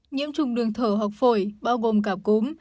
nhiễm trùng đường thở hoặc phổi bao gồm cả cúm